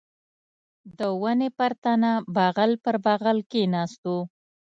د ونې پر تنه بغل پر بغل کښېناستو.